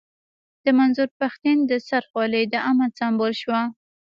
د منظور پښتين د سر خولۍ د امن سيمبول شوه.